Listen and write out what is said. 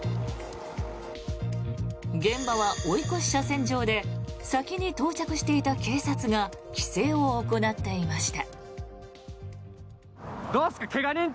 現場は追い越し車線上で先に到着していた警察が規制を行っていました。